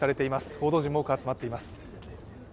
報道陣も多く集まっています。